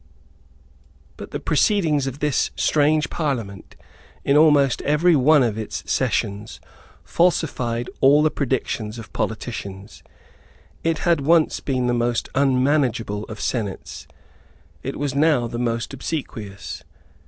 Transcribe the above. But the proceedings of this strange Parliament, in almost every one of its sessions, falsified all the predictions of politicians. It had once been the most unmanageable of senates. It was now the most obsequious.